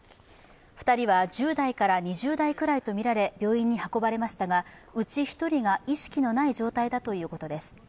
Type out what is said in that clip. ２人は１０代から２０代ぐらいとみられ病院に運ばれましたが、うち１人が意識のない状態だということです。